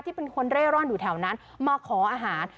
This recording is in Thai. เป็นคนเร่ร่อนอยู่แถวนั้นมาขออาหาร